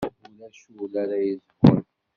Ulac ul ara yezhun.